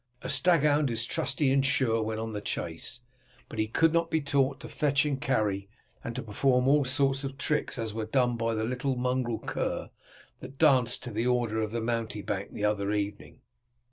A staghound is trusty and sure when on the chase, but he could not be taught to fetch and to carry and to perform all sorts of tricks such as were done by the little mongrel cur that danced to the order of the mountebank the other evening.